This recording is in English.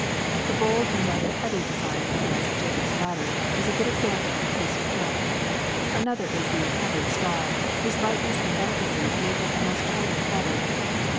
The bold and rather heavy design known as "Jacob's Ladder" is a good example of the pieced quilt. Another is the "Feathered Star," whose lightness and delicacy make it a most charming pattern.